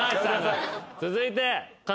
続いて。